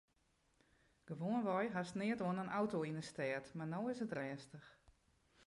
Gewoanwei hast neat oan in auto yn 'e stêd mar no is it rêstich.